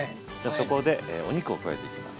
そこでお肉を加えていきます。